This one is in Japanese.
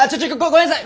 ごめんなさい！